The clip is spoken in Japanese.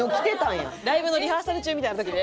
ライブのリハーサル中みたいな時で。